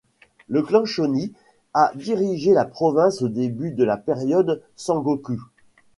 Le clan Shoni a dirigé la province au début de la période Sengoku.